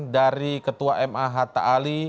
dari ketua ma hatta ali